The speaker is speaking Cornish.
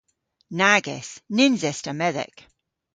Nag es. Nyns es ta medhek.